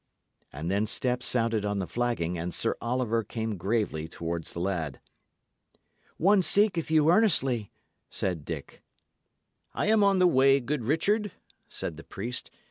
And then steps sounded on the flagging, and Sir Oliver came gravely towards the lad. "One seeketh you earnestly," said Dick. "I am upon the way, good Richard," said the priest.